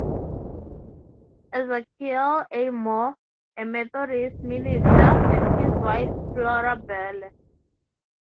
Ezekial A. Moore, a Methodist minister, and his wife, FloraBelle.